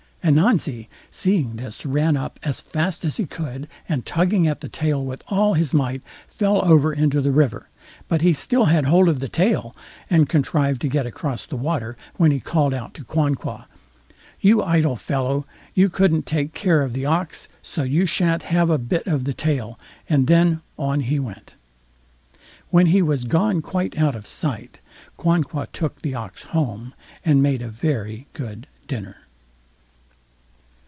Ananzi seeing this, ran up as fast as he could, and tugging at the tail with all his might, fell over into the river, but he still had hold of the tail, and contrived to get across the water, when he called out to Quanqua, "You idle fellow, you couldn't take care of the ox, so you shan't have a bit of the tail", and then on he went. When he was gone quite out of sight, Quanqua took the ox home, and made a very good dinner.